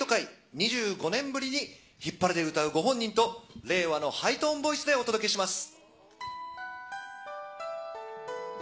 ２５年ぶりにヒッパレで歌うご本人と令和のハイトーンボイスでお届けします。